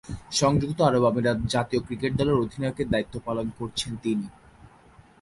সংযুক্ত আরব আমিরাত জাতীয় ক্রিকেট দলের অধিনায়কের দায়িত্ব পালন করছেন তিনি।